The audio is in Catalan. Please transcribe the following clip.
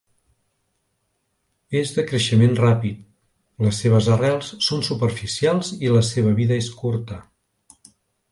És de creixement ràpid, les seves arrels són superficials i la seva vida és curta.